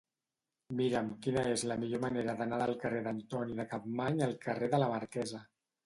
Mira'm quina és la millor manera d'anar del carrer d'Antoni de Capmany al carrer de la Marquesa.